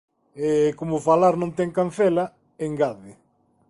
E como o falar non ten cancela, engade: